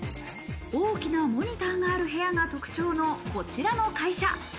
大きなモニターがある部屋が特徴のこちらの会社。